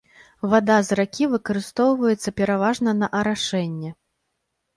Вада з ракі выкарыстоўваецца пераважна на арашэнне.